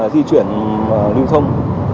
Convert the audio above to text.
di chuyển linh thông